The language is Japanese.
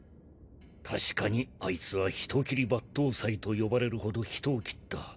確かにあいつは人斬り抜刀斎と呼ばれるほど人を斬った。